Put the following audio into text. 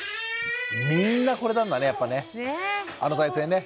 みんなこれなんだねやっぱね。